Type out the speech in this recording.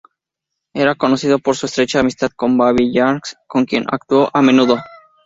Era conocido por su estrecha amistad con Baby Ranks, con quien actuó a menudo.